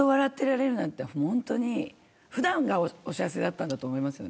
普段がお幸せだったんだと思います。